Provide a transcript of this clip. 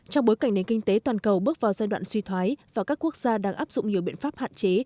trong bối cảnh nền kinh tế toàn cầu bước vào giai đoạn suy thoái và các quốc gia đang áp dụng nhiều biện pháp hạn chế